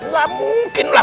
gak mungkin lah